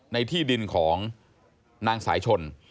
ในที่ดินของนางสายชน